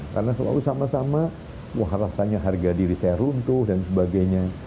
karena selalu sama sama wah rasanya harga diri saya runtuh dan sebagainya